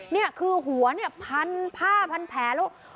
เนี่ยคือหัวพันภาพันแผล